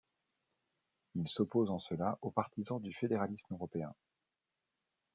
Ils s'opposent en cela aux partisans du fédéralisme européen.